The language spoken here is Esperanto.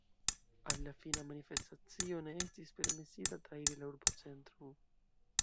Al la fina manifestacio ne estis permesita trairi la urbocentron.